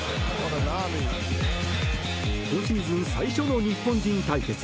今シーズン最初の日本人対決。